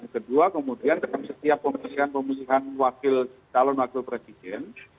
kedua kemudian setiap pemulihan pemulihan wakil calon wakil presiden